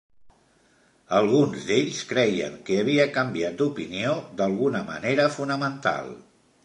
Alguns d'ells creien que havia canviat d'opinió d'alguna manera fonamental.